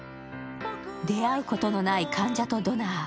出会うことのない患者とドナー。